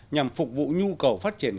nhằm phục vụ nhu cầu phát triển